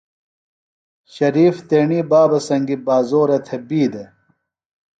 شریف تیݨیۡ بابہ سنگیۡ بازورہ تھےۡ بی دےۡ۔